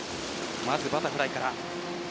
まず、バタフライから。